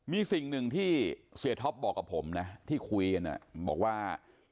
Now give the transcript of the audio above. มีสิ่งหนึ่งที่เสียท็อปบอกกับผมนะที่คุยกันบอกว่า